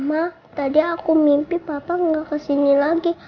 mama tadi aku mimpi papa nggak ke sini lagi